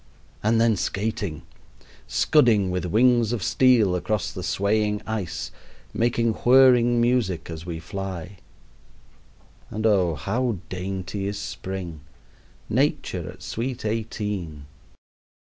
And then skating! scudding with wings of steel across the swaying ice, making whirring music as we fly. And oh, how dainty is spring Nature at sweet eighteen!